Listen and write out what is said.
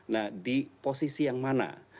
nah di posisi yang mana